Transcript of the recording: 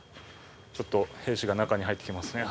ちょっと兵士が中に入っていきますね。